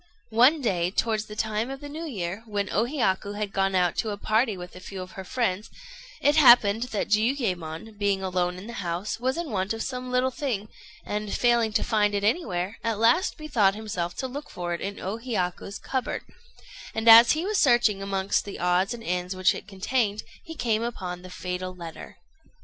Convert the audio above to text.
One day, towards the time of the New Year, when O Hiyaku had gone out to a party with a few of her friends, it happened that Jiuyémon, being alone in the house, was in want of some little thing, and, failing to find it anywhere, at last bethought himself to look for it in O Hiyaku's cupboard; and as he was searching amongst the odds and ends which it contained, he came upon the fatal letter.